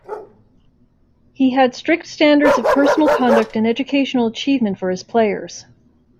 He had strict standards of personal conduct and educational achievement for his players.